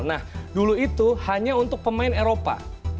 nah dulu itu hanya untuk pemain eropa